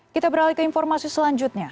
kita beralih ke informasi selanjutnya